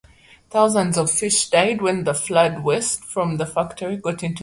Thousands of fish died when flood waste from the factory got into the river.